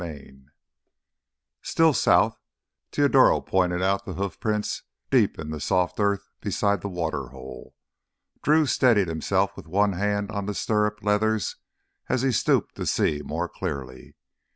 15 "Still south...." Teodoro pointed out the hoof prints deep in the soft earth beside the water hole. Drew steadied himself with one hand on the stirrup leathers as he stooped to see more clearly.